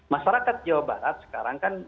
masyarakat jawa barat sekarang kan